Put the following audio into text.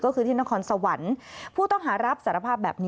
ก็คือที่นครสวรรค์ผู้ต้องหารับสารภาพแบบนี้